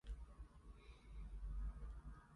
超音速飛行